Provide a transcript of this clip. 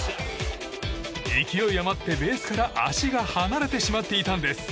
勢い余ってベースから足が離れてしまっていたんです。